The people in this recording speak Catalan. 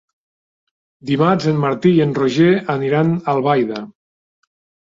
Dimarts en Martí i en Roger aniran a Albaida.